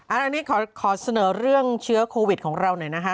อันนี้ขอเสนอเรื่องเชื้อโควิดของเราหน่อยนะคะ